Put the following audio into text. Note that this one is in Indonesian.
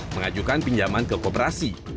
mengajukan pinjaman ke kooperasi